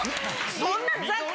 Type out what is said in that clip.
そんな。